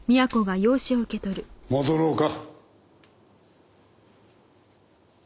戻ろうか。